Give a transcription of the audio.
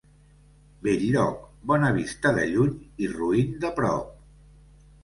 Bell-lloc, bona vista de lluny i roín de prop.